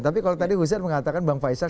tapi kalau tadi hussein mengatakan bang faisal